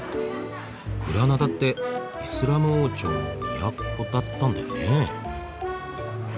グラナダってイスラム王朝の都だったんだよね。